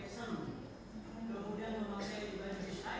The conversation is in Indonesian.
jangan aku menyalahkan